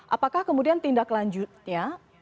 apakah kemudian tindak lanjutnya